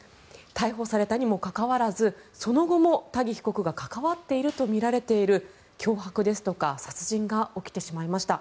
逮捕されたにもかかわらずその後もタギ被告が関わっているとみられている脅迫ですとか殺人が起きてしまいました。